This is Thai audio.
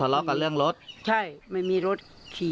เลาะกับเรื่องรถใช่ไม่มีรถขี่